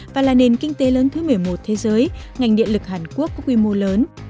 và là nền kinh tế lớn thứ một mươi một thế giới ngành điện lực hàn quốc có quy mô lớn